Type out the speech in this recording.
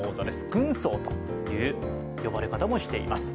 軍曹という喚ばれ方もしています。